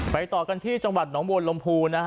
ต่อกันที่จังหวัดหนองบวนลมพูนะฮะ